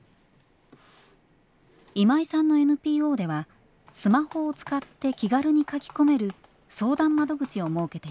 今井さんのＮＰＯではスマホを使って気軽に書き込める相談窓口を設けています。